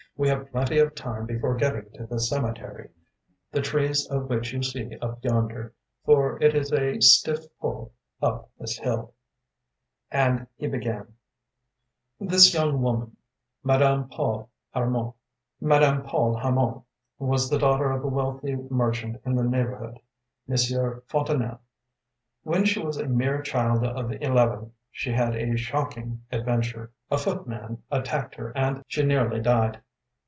We have plenty of time before getting to the cemetery, the trees of which you see up yonder, for it is a stiff pull up this hill.‚ÄĚ And he began: “This young woman, Madame Paul Hamot, was the daughter of a wealthy merchant in the neighborhood, Monsieur Fontanelle. When she was a mere child of eleven, she had a shocking adventure; a footman attacked her and she nearly died.